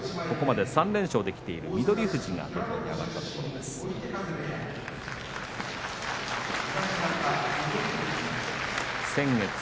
ここまで３連勝できている翠